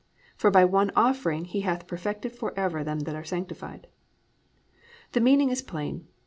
... For by one offering He hath perfected forever them that are sanctified."+ The meaning is plain.